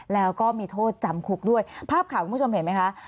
แล้วก็มีโทษจำคุกด้วยภาพข่าวคุณผู้ชมเห็นไหมคะ